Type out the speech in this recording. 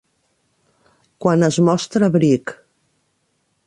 Quan es mostra Brick